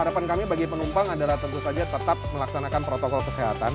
harapan kami bagi penumpang adalah tentu saja tetap melaksanakan protokol kesehatan